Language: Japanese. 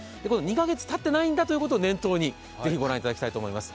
２カ月たっていないんだということを念頭にぜひご覧いただきたいと思います。